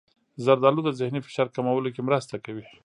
زردالو د ذهني فشار کمولو کې مرسته کوي.